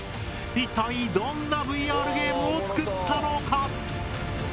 一体どんなＶＲゲームを作ったのか？